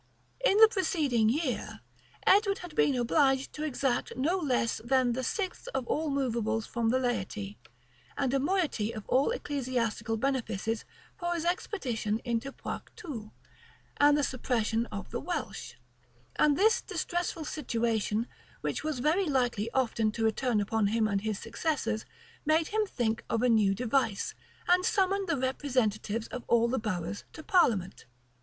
In the preceding year, Edward had been obliged to exact no less than the sixth of all movables from the laity, and a moiety of all ecclesiastical benefices[*] for his expedition into Poictou, and the suppression of the Welsh: and this distressful situation which was likely often to return upon him and his successors, made him think of a new device, and summon the representatives of all the boroughs to parliament.